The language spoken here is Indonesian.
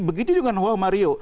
begitu juga dengan juan mario